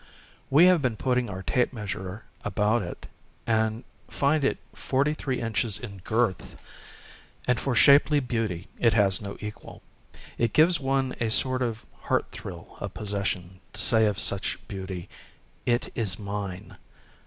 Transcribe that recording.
We have been putting our tape measure about it, and find it forty three inches in girth ; and for shapely beauty it has no equal. It gives one a sort of heart thrili of possession to say of such beauty, "It is mine."